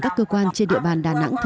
các cơ quan trên địa bàn đà nẵng